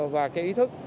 và cái ý thức